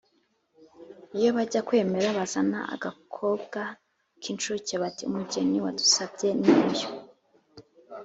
”iyo bajya kwemera bazana agakobwa k’inshuke bati: “umugeni wadusabye ni uyu”